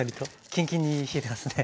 キンキンに冷えてますね。